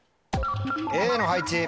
Ａの配置。